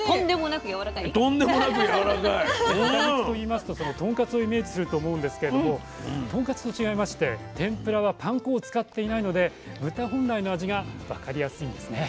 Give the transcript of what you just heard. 豚肉といいますととんかつをイメージすると思うんですけれどもとんかつと違いまして天ぷらはパン粉を使っていないので豚本来の味が分かりやすいんですね。